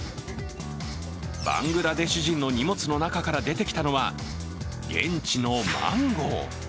バングラデシュ人の荷物の中から出てきたのは、現地のマンゴー。